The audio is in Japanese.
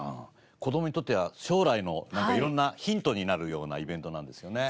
子供にとっては将来の色んなヒントになるようなイベントなんですよね。